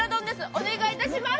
お願いいたします。